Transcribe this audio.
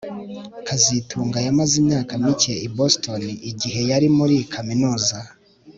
kazitunga yamaze imyaka mike i Boston igihe yari muri kaminuza